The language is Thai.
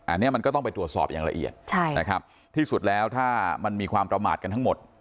อันนี้มันก็ต้องไปตรวจสอบอย่างละเอียดใช่นะครับที่สุดแล้วถ้ามันมีความประมาทกันทั้งหมด